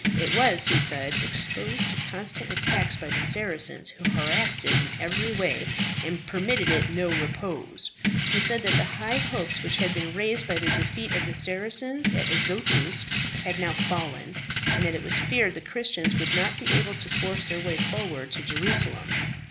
It was, he said, exposed to constant attacks by the Saracens, who harassed it in every way, and permitted it no repose. He said that the high hopes which had been raised by the defeat of the Saracens at Azotus, had now fallen, and that it was feared the Christians would not be able to force their way forward to Jerusalem.